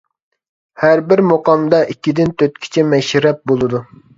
ھەربىر مۇقامدا ئىككىدىن تۆتكىچە مەشرەپ بولىدۇ.